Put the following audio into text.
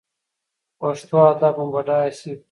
پښتو ادب مو بډایه شي.